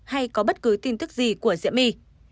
hay có bất cứ tin thức gì của diễm my